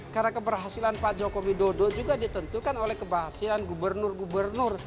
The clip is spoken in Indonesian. karena keberhasilan pak jokowi dodo juga ditentukan oleh keberhasilan gubernur gubernur